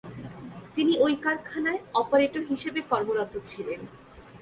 তিনি ওই কারখানায় অপারেটর হিসেবে কর্মরত ছিলেন।